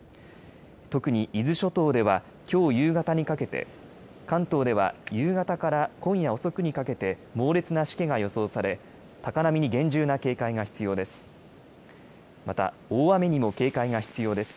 特に伊豆諸島ではきょう夕方にかけて、関東では夕方から今夜遅くにかけて、猛烈なしけが予想され、高波に厳重な警戒が必要です。